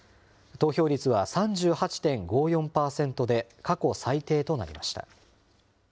投票率は３８．５４％で、過去最低となりました。